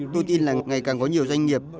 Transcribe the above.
tôi tin là ngày càng có nhiều doanh nghiệp